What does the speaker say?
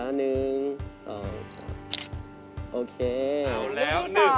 รุปที่สอง